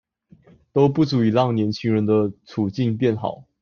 都不足以讓年輕人的處境變好